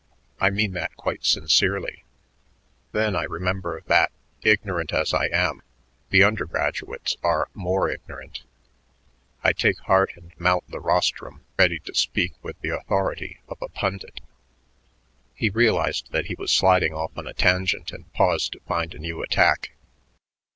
I mean that quite sincerely. Then I remember that, ignorant as I am, the undergraduates are more ignorant. I take heart and mount the rostrum ready to speak with the authority of a pundit." He realized that he was sliding off on a tangent and paused to find a new attack.